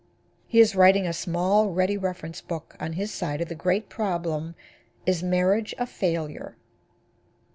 He is writing a small ready reference book on his side of the great problem, "Is Marriage a Failure?"